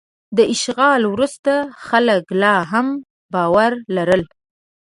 د اشغال وروسته خلک لا هم باور لرل.